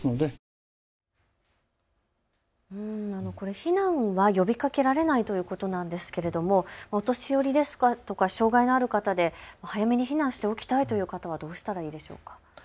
避難は呼びかけられないということなんですが、お年寄りとか障害のある方で早めに避難しておきたいという方はどうしたらよいでしょうか。